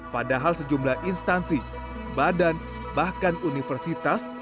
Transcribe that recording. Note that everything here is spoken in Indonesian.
padahal sejumlah instansi badan bahkan universitas